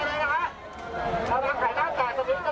วิทยาลัยเมริกาวิทยาลัยเมริกา